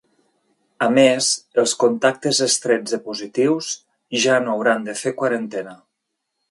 A més, els contactes estrets de positius ja no hauran de fer quarantena.